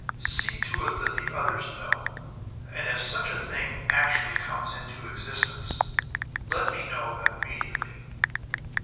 "See to it that the others know; and if such a thing actually comes into existence, let me know immediately."